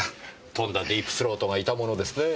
とんだディープ・スロートがいたものですねぇ。